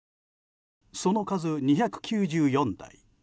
その数２９４台。